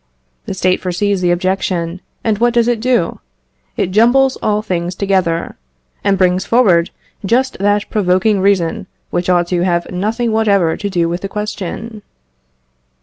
The State foresees the objection, and what does it do? It jumbles all things together, and brings forward just that provoking reason which ought to have nothing whatever to do with the question.